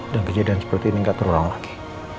dan kejadian seperti ini nggak terulang lagi